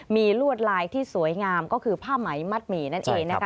มีลวดลายที่สวยงามก็คือผ้าไหมมัดหมี่นั่นเองนะคะ